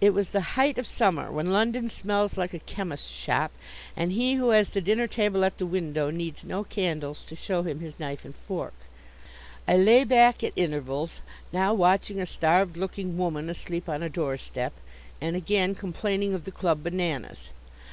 It was the height of summer, when London smells like a chemist's shop, and he who has the dinner table at the window needs no candles to show him his knife and fork. I lay back at intervals, now watching a starved looking woman asleep on a door step, and again complaining of the club bananas.